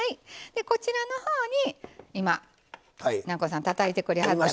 でこちらのほうに今南光さんたたいてくれはった